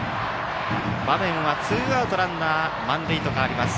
場面は、ツーアウトランナー満塁と変わります。